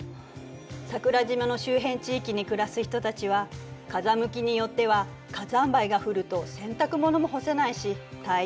桜島の周辺地域に暮らす人たちは風向きによっては火山灰が降ると洗濯物も干せないし大変なのよ。